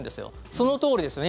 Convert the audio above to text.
そのとおりですよね。